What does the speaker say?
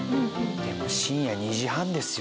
でも深夜２時半ですよ